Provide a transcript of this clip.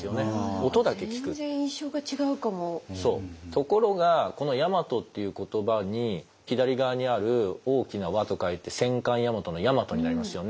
ところがこの「やまと」っていう言葉に左側にある「大きな和」と書いて戦艦「大和」の「大和」になりますよね。